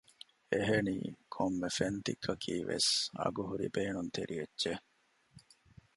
އެހެނީ ކޮންމެ ފެން ތިއްކަކީ ވެސް އަގުހުރި ބޭނުންތެރި އެއްޗެއް